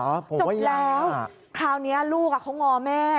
จบแล้วคราวนี้ลูกเขางอแม่